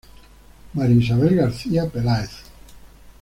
María Isabel García Peláez.